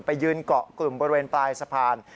ยืนเกาะกลุ่มบริเวณปลายสะพาน